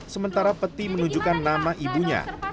sementara peti menunjukkan nama ibunya